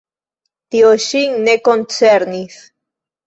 Tio ŝin ne koncernis.